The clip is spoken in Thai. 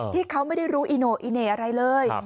ที่เขาไม่ได้รู้อีโน่อีเหน่อะไรเลย